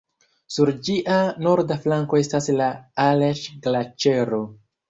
Sur ĝia norda flanko estas la Aleĉ-Glaĉero.